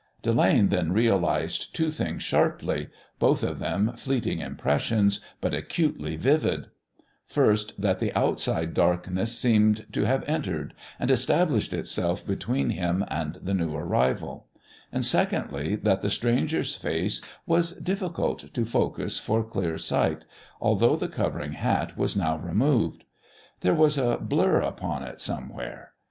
Delane then realised two things sharply, both of them fleeting impressions, but acutely vivid: First, that the outside darkness seemed to have entered and established itself between him and the new arrival; and, secondly, that the stranger's face was difficult to focus for clear sight, although the covering hat was now removed. There was a blur upon it somewhere.